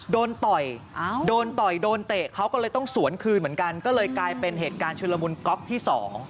ต่อยโดนต่อยโดนเตะเขาก็เลยต้องสวนคืนเหมือนกันก็เลยกลายเป็นเหตุการณ์ชุลมุนก๊อกที่๒